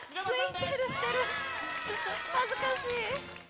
恥ずかしい！